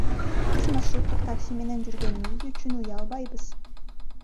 Биз маршруттук такси менен жүргөнүбүз үчүн уялбайбыз.